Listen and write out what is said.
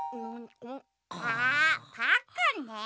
あパックンね！